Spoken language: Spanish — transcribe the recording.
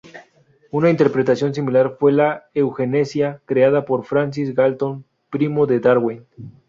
Una interpretación similar fue la eugenesia, creada por Francis Galton, primo de Darwin.